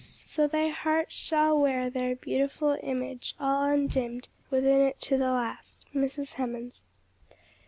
so thy heart Shall wear their beautiful image all undimm'd Within it to the last." MRS. HEMANS.